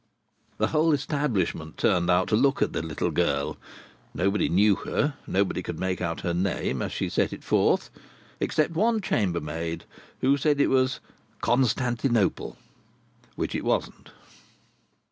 The whole establishment turned out to look at the little girl. Nobody knew her; nobody could make out her name, as she set it forth—except one chambermaid, who said it was Constantinople—which it wasn't.